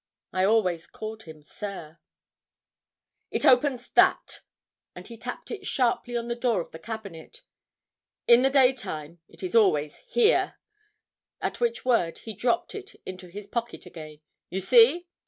I always called him 'sir.' 'It opens that,' and he tapped it sharply on the door of the cabinet. 'In the daytime it is always here,' at which word he dropped it into his pocket again. 'You see?